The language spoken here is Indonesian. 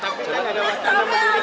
kalau dicalonkan gimana pak